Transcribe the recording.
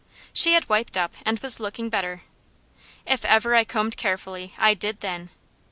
She had wiped up and was looking better. If ever I combed carefully I did then.